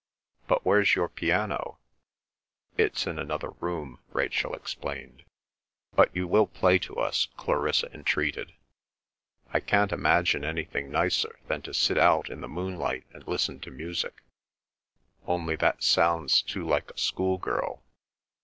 But where's your piano?" "It's in another room," Rachel explained. "But you will play to us?" Clarissa entreated. "I can't imagine anything nicer than to sit out in the moonlight and listen to music—only that sounds too like a schoolgirl!